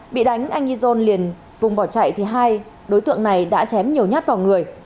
bị đánh anh izon liền vùng bỏ chạy thì hai đối tượng này đã chém nhiều nhát vào người